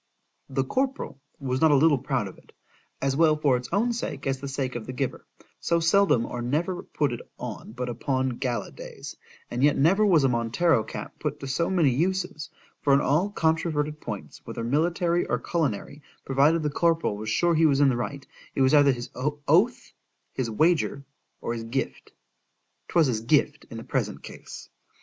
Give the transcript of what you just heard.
The corporal was not a little proud of it, as well for its own sake, as the sake of the giver, so seldom or never put it on but upon GALA days; and yet never was a Montero cap put to so many uses; for in all controverted points, whether military or culinary, provided the corporal was sure he was in the right,—it was either his oath,—his wager,—or his gift. ——'Twas his gift in the present case.